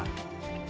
pak dewa jadi